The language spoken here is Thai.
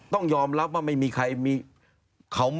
ต้องยอมรับว่าไม่มีใครมี